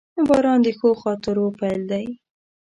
• باران د ښو خاطرو پیل دی.